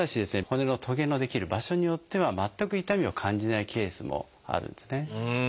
骨のトゲの出来る場所によっては全く痛みを感じないケースもあるんですね。